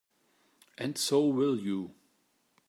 And so will you.